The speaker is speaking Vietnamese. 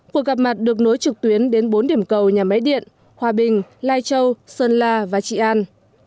cuộc gặp mặt được nối trực tuyến đến bốn điểm cầu nhà máy điện hòa bình lai châu sơn la và trị an